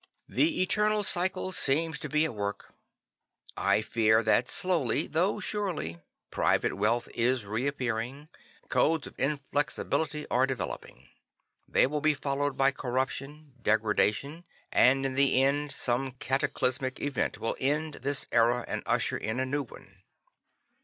The eternal cycle seems to be at work. I fear that slowly, though surely, private wealth is reappearing, codes of inflexibility are developing; they will be followed by corruption, degradation; and in the end some cataclysmic event will end this era and usher in a new one.